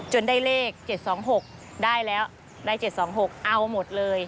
ได้เลข๗๒๖ได้แล้วได้๗๒๖เอาหมดเลย